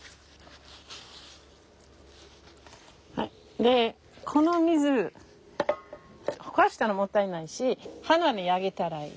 でこの水ほかしたらもったいないし花にあげたらいい。